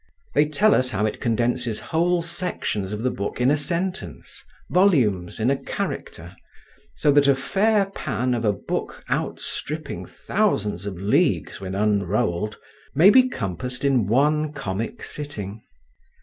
They tell us how it condenses whole sections of the book in a sentence, volumes in a character; so that a fair pan of a book outstripping thousands of leagues when unrolled may be compassed in one comic sitting.